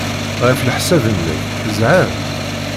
Ɣef leḥsab-nnek, zhan?